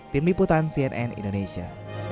tim liputan cnn indonesia